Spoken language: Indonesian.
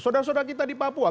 saudara saudara kita di papua